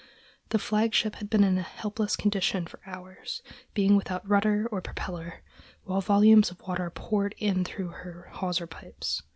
The flagship had been in a helpless condition for hours, being without rudder or propeller, while volumes of water poured in through her hawser pipes.